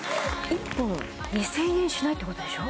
１本２０００円しないってことでしょ？